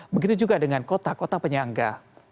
begitu juga dengan kota kota penyangga